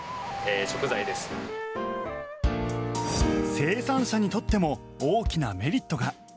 生産者にとっても大きなメリットが。